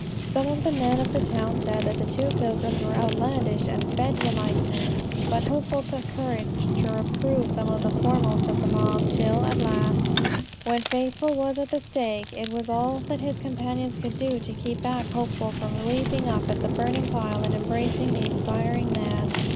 Some of the men of the town said that the two pilgrims were outlandish and bedlamite men, but Hopeful took courage to reprove some of the foremost of the mob. Till, at last, when Faithful was at the stake, it was all that his companions could do to keep back Hopeful from leaping up on the burning pile and embracing the expiring man.